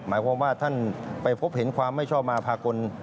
หมายความว่าท่านไปพบเห็นความไม่ชอบมาภากล